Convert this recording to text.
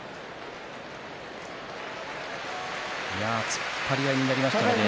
突っ張り合いになりましたね。